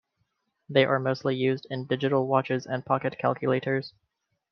They are mostly used in digital watches and pocket calculators.